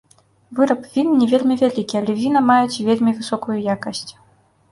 Выраб він не вельмі вялікі, але віна маюць вельмі высокую якасць.